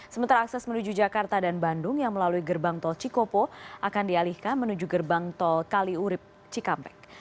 sementara akses menuju jakarta dan bandung yang melalui gerbang tol cikopo akan dialihkan menuju gerbang tol kaliurip cikampek